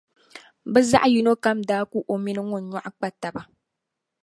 bɛ zaɣ’ yino kam daa ku o mini ŋun nyɔɣu kpa taba.